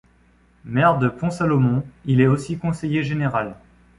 Maire de Pont-Salomon, il est aussi conseiller général.